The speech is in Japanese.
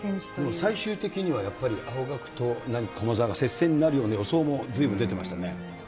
最終的にはやっぱり青学と駒澤が接戦になるような予想もずいぶん出てましたね。